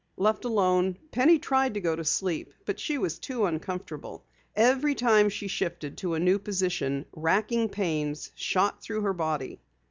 Left alone, Penny tried to go to sleep, but she was too uncomfortable. Every time she shifted to a new position wracking pains shot through her body.